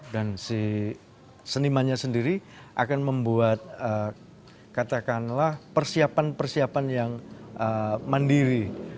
dan si senimanya sendiri akan membuat katakanlah persiapan persiapan yang mandiri